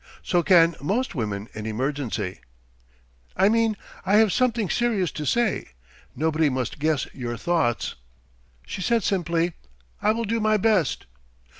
"So can most women, in emergency." "I mean ... I have something serious to say; nobody must guess your thoughts." She said simply: "I will do my best."